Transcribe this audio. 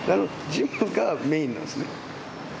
ジムがメインなんですね。